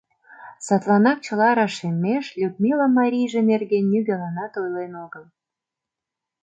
Садланак чыла рашеммеш Людмила марийже нерген нигӧланат ойлен огыл.